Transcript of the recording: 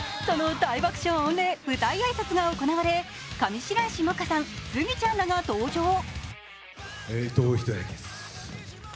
その大爆笑御礼舞台挨拶が行われ上白石萌歌さん、スギちゃんらが登場。